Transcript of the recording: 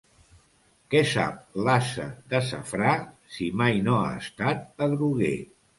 Què sap l'ase de safrà, si mai no ha estat adroguer.